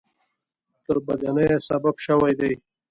تربګنیو سبب شوي دي.